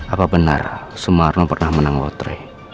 apa benar sumarno pernah menang lotre